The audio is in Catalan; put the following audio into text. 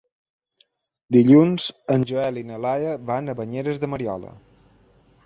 Dilluns en Joel i na Laia van a Banyeres de Mariola.